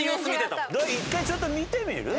一回ちょっと見てみる？